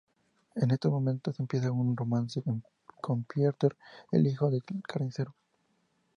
En esos momentos, empieza un romance con Pieter, el hijo del carnicero.